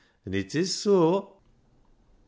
An' it is soa."